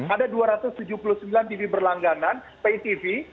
ada dua ratus tujuh puluh sembilan tv berlangganan pay tv